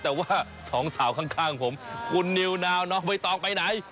แต่ว่าสองสาวข้างผมคุณนิวนาวน้องใบตองไปไหน